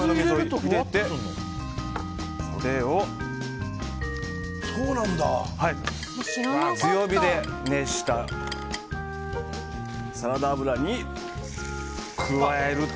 これを強火で熱したサラダ油に加えると。